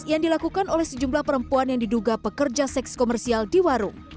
yang dilakukan oleh sejumlah perempuan yang diduga pekerja seks komersial di warung